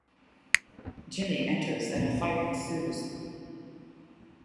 Jimmy enters and a fight ensues.